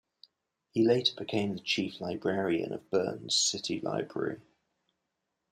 He later became the chief librarian of Bern's city library.